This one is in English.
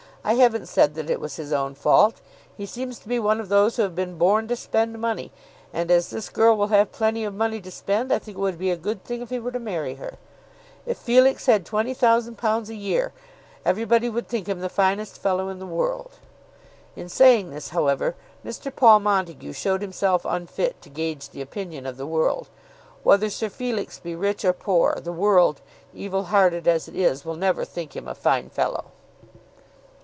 I haven't said that it was his own fault. He seems to be one of those who have been born to spend money; and as this girl will have plenty of money to spend, I think it would be a good thing if he were to marry her. If Felix had £20,000 a year, everybody would think him the finest fellow in the world." In saying this, however, Mr. Paul Montague showed himself unfit to gauge the opinion of the world. Whether Sir Felix be rich or poor, the world, evil hearted as it is, will never think him a fine fellow.